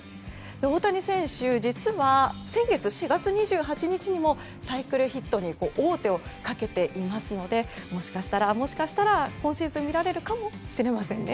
大谷選手、実は先月４月２８日にもサイクルヒットに王手をかけていますのでもしかしたら、今シーズン見られるかもしれませんね。